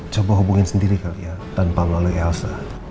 coba hubungin sendiri kali ya tanpa melalui elsa